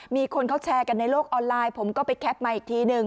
มีคนเขาแชร์กันในโลกออนไลน์ผมก็ไปแคปมาอีกทีหนึ่ง